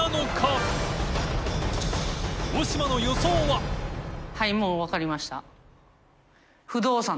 はいもう分かりました。